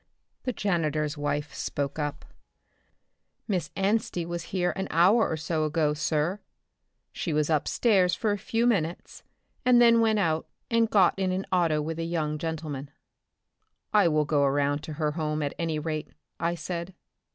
The janitor's wife spoke up, "Miss Anstey was here an hour or so ago, sir. She was upstairs for a few minutes, and then went out and got in an auto with a young gentleman." "I will go around to her home at any rate," I said.